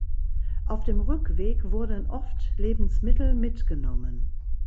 Auf dem Rückweg wurden oft Lebensmittel mitgenommen.